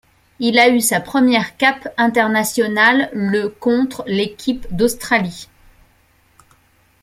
Il a eu sa première cape internationale le contre l'équipe d'Australie.